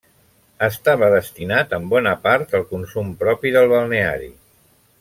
Estava destinat en bona part al consum propi del balneari.